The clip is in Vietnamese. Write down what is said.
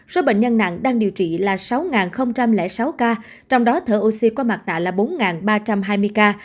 số bệnh nhân nặng đang điều trị là sáu sáu ca trong đó thở oxy qua mặt tại là bốn ba trăm hai mươi ca